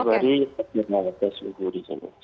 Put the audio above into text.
tiap hari di sini